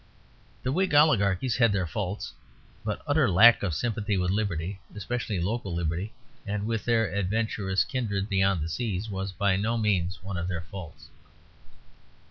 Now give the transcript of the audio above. The Whig oligarchs had their faults, but utter lack of sympathy with liberty, especially local liberty, and with their adventurous kindred beyond the seas, was by no means one of their faults.